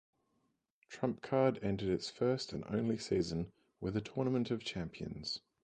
"Trump Card" ended its first and only season with a tournament of champions.